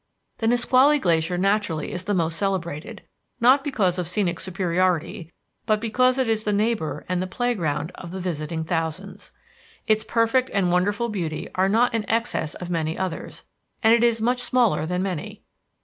The Nisqually Glacier naturally is the most celebrated, not because of scenic superiority, but because it is the neighbor and the playground of the visiting thousands. Its perfect and wonderful beauty are not in excess of many others; and it is much smaller than many.